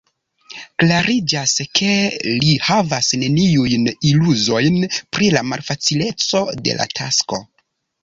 Klariĝas, ke li havas neniujn iluziojn pri la malfacileco de la tasko.